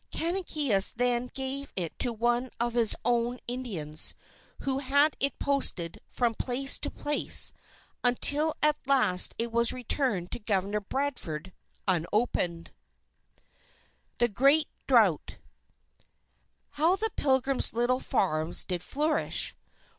Canonicus then gave it to one of his own Indians, who had it posted from place to place, until at last it was returned to Governor Bradford unopened! THE GREAT DROUGHT How the Pilgrims' little farms did flourish!